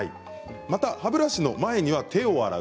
また歯ブラシの前には手を洗う。